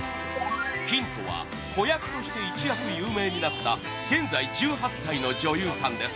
ヒントは子役として一躍有名になった現在１８歳の女優さんです